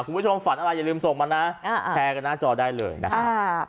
ฝันอะไรอย่าลืมส่งมานะแชร์กันหน้าจอได้เลยนะครับ